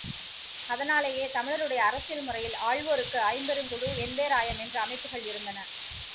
அதனாலேயே தமிழருடைய அரசியல் முறையில் ஆள்வோருக்கு ஐம்பெருங்குழு, எண்பேராயம் என்ற அமைப்புக்கள் இருந்தன.